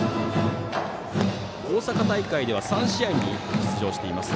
大阪大会では３試合に出場しています。